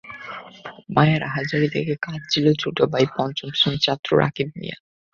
মায়ের আহাজারি দেখে কাঁদছিল ছোট ভাই পঞ্চম শ্রেণীর ছাত্র রাকিব মিয়া।